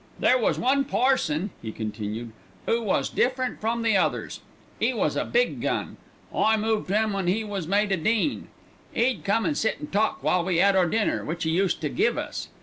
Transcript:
"There was one parson," he continued, "'oo was different from the others. 'E was a big gun. I moved 'im when 'e was made a dean. 'E'd come an' sit an' talk while we 'ad our dinner, which 'e used to give us.